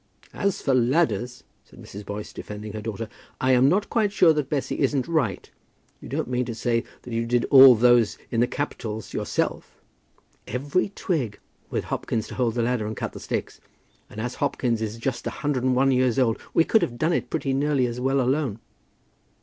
"As for ladders," said Mrs. Boyce, defending her daughter, "I am not quite sure that Bessy isn't right. You don't mean to say that you did all those in the capitals yourself?" "Every twig, with Hopkins to hold the ladder and cut the sticks; and as Hopkins is just a hundred and one years old, we could have done it pretty nearly as well alone."